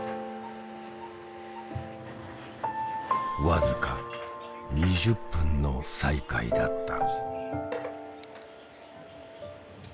僅か２０分の再会だった。